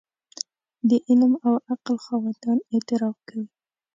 د علم او عقل خاوندان اعتراف کوي.